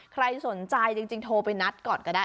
ใครสนใจจริงโทรไปนัดก่อนก็ได้